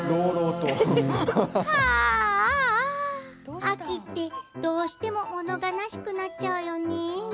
はあ、秋ってどうしてももの悲しくなっちゃうよね。